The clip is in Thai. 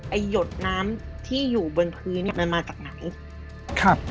หยดน้ำที่อยู่บนพื้นเนี้ยมันมาจากไหนครับ